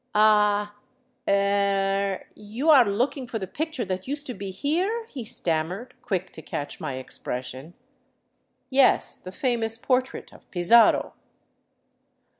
" Ah — er — you are looking for the picture that used to be here ?'* he stammered, quick to catch my expression. " Yes, the famous portrait of Pizarro."